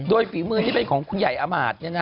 โดยฝีมือที่เป็นของคุณใหญ่อามาตย์